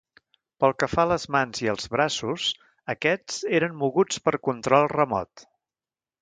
Pel que fa a les mans i els braços, aquests eren moguts per control remot.